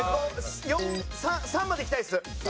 ４３までいきたいです。